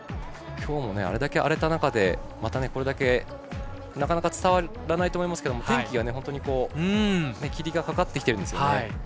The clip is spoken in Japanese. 今日も、あれだけ荒れた中でまたこれだけ、なかなか伝わらないと思いますけど天気が霧がかかってきてるんですよね。